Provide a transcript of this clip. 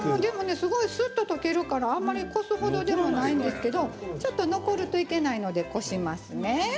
すごく、すっと溶けるからこすほどでもないんですけどちょっと残るといけないのでこしますね。